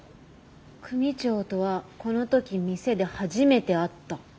「組長とはこの時店で初めて会った」。